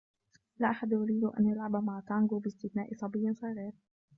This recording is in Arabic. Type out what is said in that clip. لا أحد يريد أن يلعب مع تانغو باستثناء صبي صغير.